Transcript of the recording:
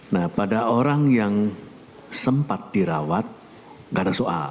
nah pada orang yang sempat dirawat tidak ada soal